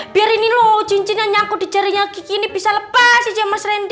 biar ini loh cincin yang nyangkut di jarinya gini bisa lepas aja mas randy